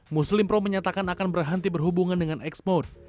muslim pro menyatakan akan berhenti berhubungan dengan x mode